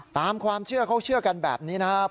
ตามความเชื่อเขาเชื่อกันแบบนี้นะครับ